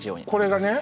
これがね